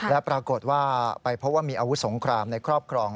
และปรากฏว่าไปพบว่ามีอาวุธสงครามในครอบครอง